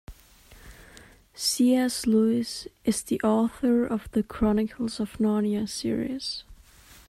C.S. Lewis is the author of The Chronicles of Narnia series.